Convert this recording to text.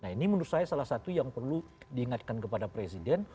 nah ini menurut saya salah satu yang perlu diingatkan kepada presiden